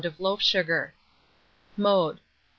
of loaf sugar. Mode.